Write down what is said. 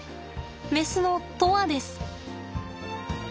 メスの砥愛です。